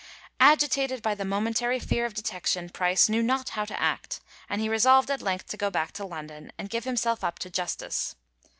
"Agitated by the momentary fear of detection, Price knew not how to act," and he resolved at length to go back to London and give himself up to justice.